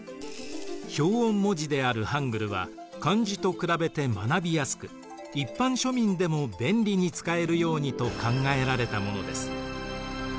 表音文字であるハングルは漢字と比べて学びやすく一般庶民でも便利に使えるようにと考えられたものです。